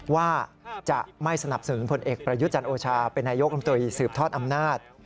ว่าจะไม่สนับสนุนพลเอกประยุทธ์จันทร์โอชาเป็นนายกรรมตรีสืบทอดอำนาจ